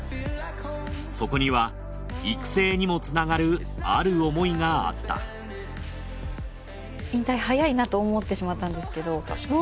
そこには育成にもつながるある思いがあった引退早いなと思ってしまったんですけど。